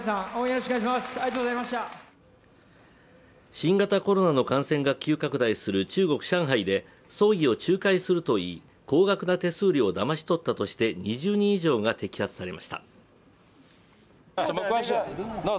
新型コロナの感染が急拡大する中国・上海で葬儀を仲介すると言い、高額な手数料をだまし取ったとして２０人以上が摘発されました。